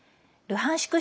ルハンシク